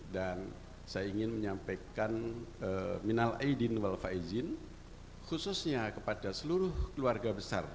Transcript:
dan saya ingin menyampaikan minal aidin wal faizin khususnya kepada seluruh keluarga besar